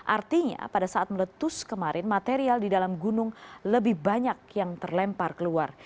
artinya pada saat meletus kemarin material di dalam gunung lebih banyak yang terlempar keluar